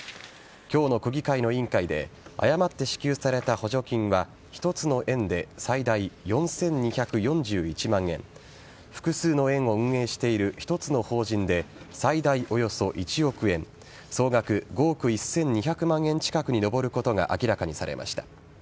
今日の区議会の委員会で誤って支給された補助金は１つの園で最大４２４１万円複数の園を運営している１つの法人で最大およそ１億円総額５億１２００万円近くに上ることが明らかにされました。